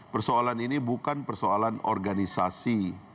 persoalan ini bukan persoalan organisasi